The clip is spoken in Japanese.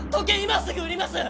今すぐ売ります！